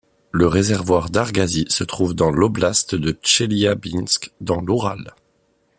Le réservoir d'Argazi se trouve dans l'oblast de Tcheliabinsk, dans l'Oural.